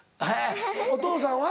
お父さんは？